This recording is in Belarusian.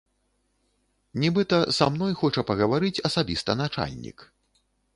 Нібыта, са мной хоча пагаварыць асабіста начальнік.